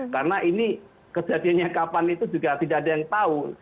karena ini kejadiannya kapan itu juga tidak ada yang tahu